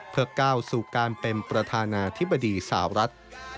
เพื่อก้าวสู่การเป็นประธานาธิบดีสาวรัฐ